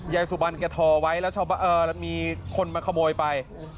สุบันแกทอไว้แล้วมีคนมาขโมยไป